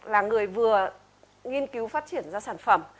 là người vừa nghiên cứu phát triển ra sản phẩm